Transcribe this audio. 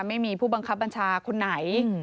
ไม่มีผู้บังคับบัญชาคนไหน